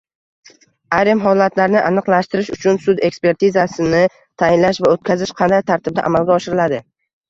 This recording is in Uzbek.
Ayrim holatlarni aniqlashtirish uchun sud ekspertizasini tayinlash va o‘tkazish qanday tartibda amalga oshiriladi?